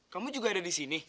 kamu juga ada disini